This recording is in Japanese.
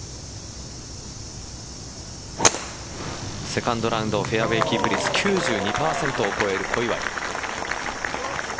セカンドラウンドフェアウェイキープ率９２％を超える小祝。